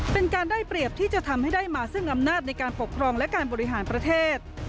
เป็นการได้เปรียบที่จะทำให้ได้มาซึ่งอำนาจในการปกครองและการบริหารประเทศ